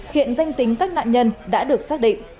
hiện danh tính các nạn nhân đã được xác định